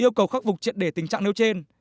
yêu cầu khắc phục triệt để tình trạng nêu trên